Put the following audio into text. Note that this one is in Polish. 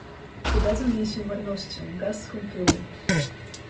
Wydadzą jej się marnością, garstką pyłu…